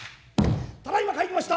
ただいま帰りました。